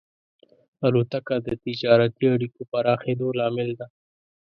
الوتکه د تجارتي اړیکو پراخېدلو لامل ده.